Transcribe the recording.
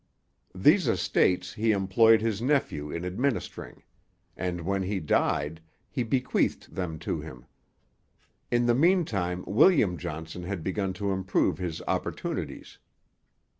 These estates he employed his nephew in administering; and, when he died, he bequeathed them to him. In the meantime William Johnson had begun to improve his opportunities.